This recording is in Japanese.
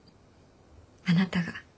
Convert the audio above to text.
あなたが。